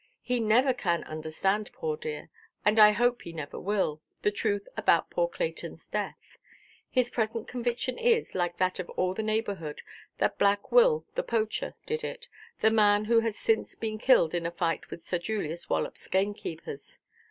He never can understand, poor dear, and I hope he never will, the truth about poor Claytonʼs death. His present conviction is, like that of all the neighbourhood, that Black Will the poacher did it, the man who has since been killed in a fight with Sir Julius Wallopʼs gamekeepers.